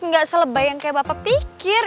enggak selebayang kayak bapak pikir